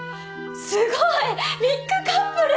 すごいビッグカップル！